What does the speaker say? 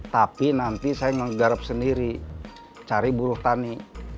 tapi nanti saya menggarap sendiri cari buruh tani